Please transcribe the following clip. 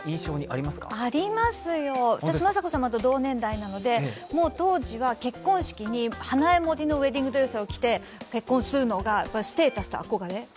ありますよ、私、雅子さまと同年代なので当時は結婚式にＨＡＮＡＥＭＯＲＩのウエディングドレスを着て結婚するのがステータスと憧れ。